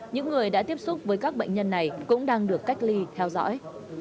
những người đã tiếp xúc với các bệnh nhân này cũng đang được cách ly theo dõi